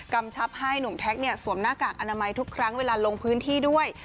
กำชับให้หนุ่มแท็กเนี่ยสวมหน้ากากอนามัยทุกครั้งเวลาลงพื้นที่ด้วย